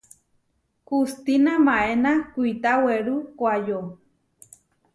Hustína maéna kuitá werú koʼayó.